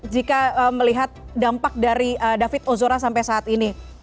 jika melihat dampak dari david ozora sampai saat ini